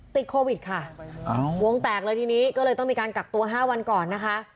ติดโควิดค่ะวงแตกเลยทีนี้ก็เลยต้องมีการกักตัว๕วันก่อนนะคะ